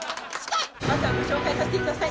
まずはご紹介させて下さい。